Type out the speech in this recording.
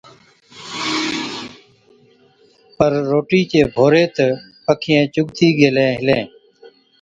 پَر روٽِي چي ڀوري تہ پَکِيئَين چُگتِي گيلين هِلين،